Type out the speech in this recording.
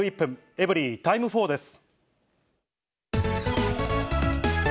エブリィタイム４です。